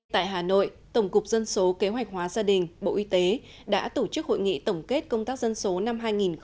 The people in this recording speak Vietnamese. tại hà nội tổng cục dân số kế hoạch hóa gia đình bộ y tế đã tổ chức hội nghị tổng kết công tác dân số năm hai nghìn một mươi chín